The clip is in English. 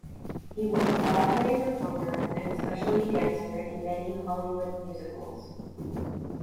He was a Broadway performer and a specialty dancer in many Hollywood musicals.